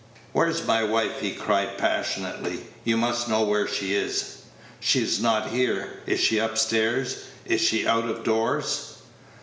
"Where's my wife?" he cried, passionately; "you must know where she is. She's not here. Is she up stairs? Is she out of doors?"